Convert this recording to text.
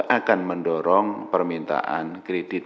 akan mendorong permintaan kredit